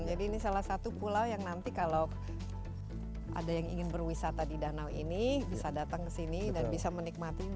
jadi ini salah satu pulau yang nanti kalau ada yang ingin berwisata di danau ini bisa datang ke sini dan bisa menikmati